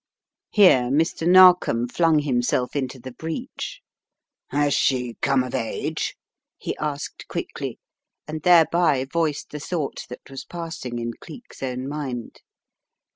Here Mr. Narkom flung himself into the breach. "Has she come of age?" he asked quickly, and thereby voiced the thought that was passing in Cleek's own mind.